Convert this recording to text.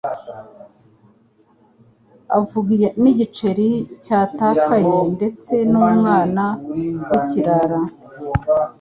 avuga n'igiceri cyatakaye ndetse n'umwana w'ikirara.